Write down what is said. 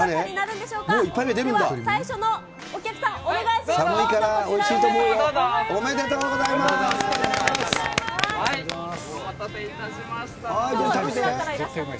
では、最初のお客さん、お願いします。